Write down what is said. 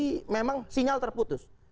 komunikasi memang sinyal terputus